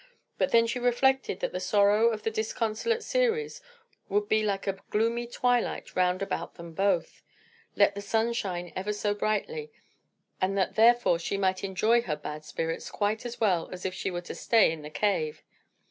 But then she reflected that the sorrow of the disconsolate Ceres would be like a gloomy twilight round about them both, let the sun shine ever so brightly, and that therefore she might enjoy her bad spirits quite as well as if she were to stay in the cave.